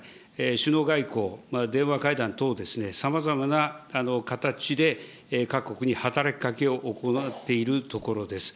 首脳外交、電話会談等、さまざまな形で各国に働きかけを行っているところです。